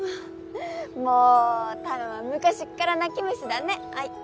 もうたろーは昔っから泣き虫だねはい。